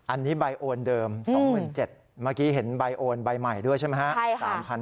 อันนี้ใบโอนเดิม๒๗๐๐เมื่อกี้เห็นใบโอนใบใหม่ด้วยใช่ไหมครับ